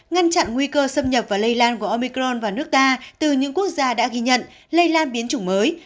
ngăn chặn nguy cơ xâm nhập và lây lan của omicron vào nước ta từ những quốc gia đã ghi nhận lây lan biến chủng mới